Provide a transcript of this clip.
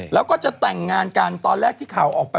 แล้วก็จะแต่งงานกันตอนแรกที่ข่าวออกไป